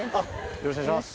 よろしくお願いします。